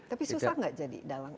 tapi susah nggak jadi dalang